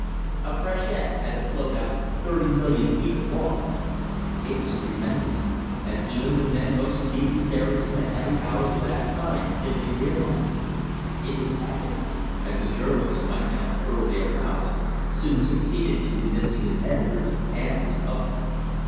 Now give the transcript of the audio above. A freshet had to float out thirty million feet of logs. It was tremendous; as even the men most deeply buried in the heavy hours of that time dimly realized. It was epic; as the journalist, by now thoroughly aroused, soon succeeded in convincing his editors and his public.